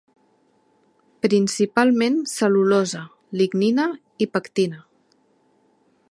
Principalment cel·lulosa, lignina i pectina.